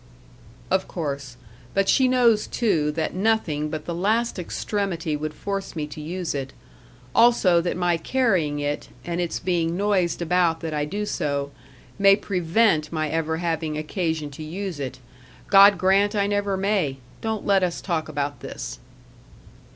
"Of course. But she knows too that nothing but the last extremity would force me to use it: also that my carrying it, and its being noised about that I do so, may prevent my ever having occasion to use it. God grant I never may! Don't let us talk about this."